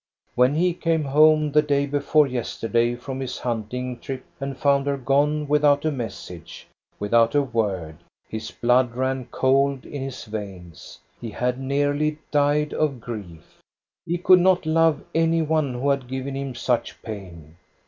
When he came home the day before yester day from his hunting trip and found her gone with out a message, without a word, his blood ran cold in his veins, he had nearly died of grief. He could not love any one who had given him such pain.